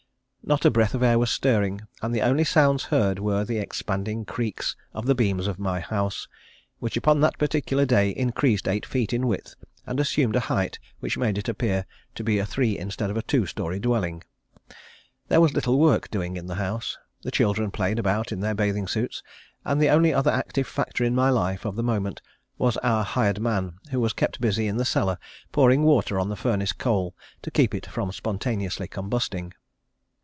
Not a breath of air was stirring, and the only sounds heard were the expanding creaks of the beams of my house, which upon that particular day increased eight feet in width and assumed a height which made it appear to be a three instead of a two story dwelling. There was little work doing in the house. The children played about in their bathing suits, and the only other active factor in my life of the moment was our hired man who was kept busy in the cellar pouring water on the furnace coal to keep it from spontaneously combusting.